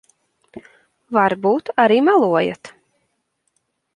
Varbūt arī melojat.